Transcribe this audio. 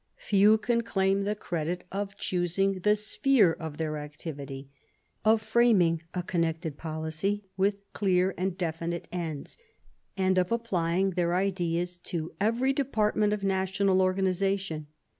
Few can claim the credit of choosing the sphere of their activity, of framing a con nected policy with clear and definite ends, and of applying their ideas to every department of national organisation.